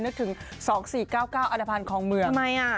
นึกถึงสองสี่ก้าวเก้าอาตฟันของเมืองทำไมอ่ะ